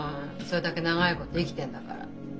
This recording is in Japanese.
それだけ長いこと生きてんだから。